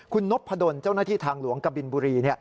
คุณนพดลเจ้าหน้าที่ทางหลวงกบินบุรี